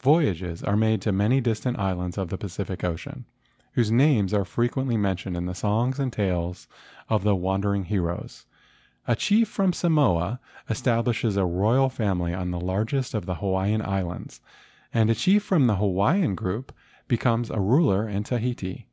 Voyages are made to many distant islands of the Pacific Ocean, whose names are frequently men¬ tioned in the songs and tales of the wandering heroes. A chief from Samoa establishes a royal family on the largest of the Hawaiian Islands, and a chief from the Hawaiian group becomes a ruler in Tahiti.